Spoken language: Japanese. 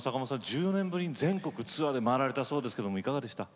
１４年ぶりに全国ツアーで回られたそうですけどいかがでした？